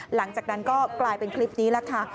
หลังจากนั้นก็กลายเป็นคลิปนี้แหละค่ะ